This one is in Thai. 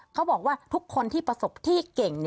เขาบอกว่าทุกคนที่ประสบที่เก่ง